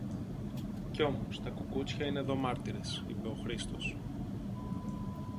Και όμως τα κουκούτσια είναι δω μάρτυρες, είπε ο Χρήστος.